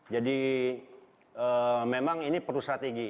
jadi memang ini perlu strategi